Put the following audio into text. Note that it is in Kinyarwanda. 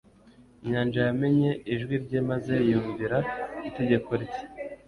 Inyanja yamenye ijwi rye, maze ymuvira itegeko rye.